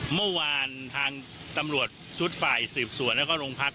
เมื่อวานทางตำรวจชุดฝ่ายสืบสวนแล้วก็โรงพัก